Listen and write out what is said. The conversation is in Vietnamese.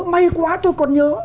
may quá tớ còn nhớ